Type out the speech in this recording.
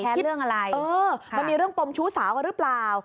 แค่เรื่องอะไรมันมีเรื่องปมชู้สาวหรือเปล่า